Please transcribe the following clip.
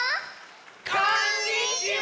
こんにちは！